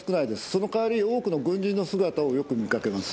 その代わり、多くの軍人の姿をよく見かけます。